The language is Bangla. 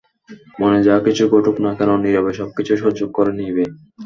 মানে যা কিছুই ঘটুক না কেন, নীরবে সবকিছু সহ্য করে নিবে।